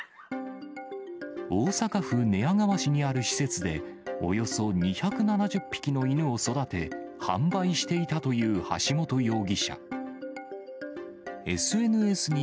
大阪府寝屋川市にある施設で、およそ２７０匹の犬を育て、販売していたという橋本容疑者。